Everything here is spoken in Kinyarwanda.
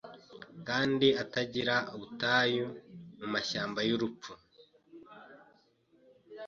kandi itagira ubutayu Mu mashyamba yurupfu